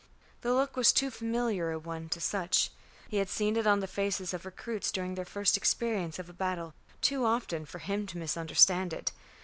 The look was too familiar a one to Sutch. He had seen it on the faces of recruits during their first experience of a battle too often for him to misunderstand it.